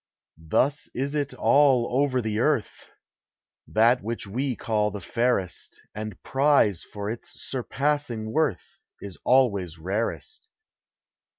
Thus is it all over the earth! That which we call the fairest, And prize for its surpassing worth, Is always rarest.